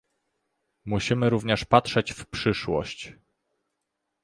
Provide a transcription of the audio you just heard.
Musimy również patrzeć w przyszłość